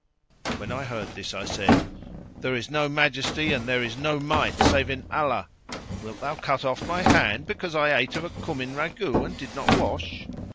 When I heard this I said, "There is no Majesty and there is no Might save in Allah! Wilt thou cut off my hand, because I ate of a cumin ragout and did not wash?"